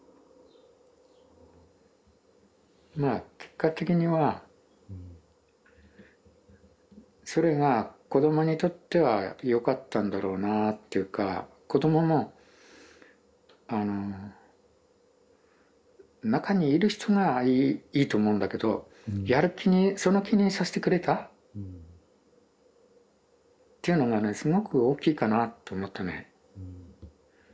まあ結果的にはそれが子どもにとってはよかったんだろうなぁっていうか子どももあの中にいる人がいいと思うんだけどやる気にその気にさせてくれたっていうのがねすごく大きいかなと思ったね。